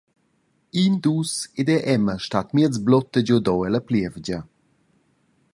In, dus ed era Emma stat miez blutta giuadora ella plievgia.